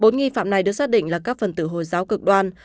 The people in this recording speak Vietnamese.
bốn nghi phạm này được xác định là các phần tử hồi giáo cực đoan